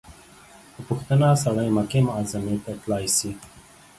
په پوښتنه سړى مکې معظمې ته تلاى سي.